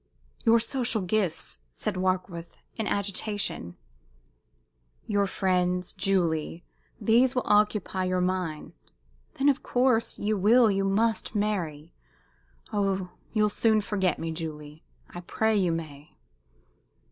"Your social gifts," said Warkworth, in agitation, "your friends, Julie these will occupy your mind. Then, of course, you will, you must marry! Oh, you'll soon forget me, Julie! I pray you may!"